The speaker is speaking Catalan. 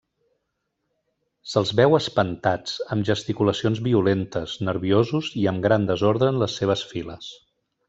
Se'ls veu espantats, amb gesticulacions violentes, nerviosos i amb gran desordre en les seves files.